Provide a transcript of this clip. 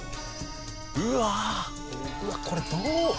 うわっこれどう？